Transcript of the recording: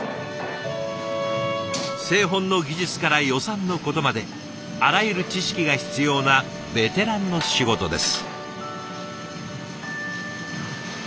製本の技術から予算のことまであらゆる知識が必要なベテランの仕事です。